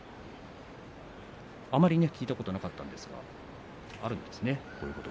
あまり聞いたことなかったんですがあるんですね、こういうこと。